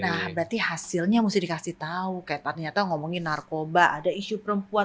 nah berarti hasilnya mesti dikasih tahu kayak ternyata ngomongin narkoba ada isu perempuan